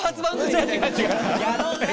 やろうぜ！